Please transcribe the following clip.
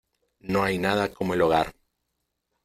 ¡ No hay nada como el hogar!